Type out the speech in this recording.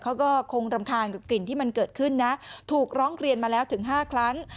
เขาก็คงรำคาญกับกลิ่นที่มันเกิดขึ้นนะถูกร้องเรียนมาแล้วถึง๕ครั้ง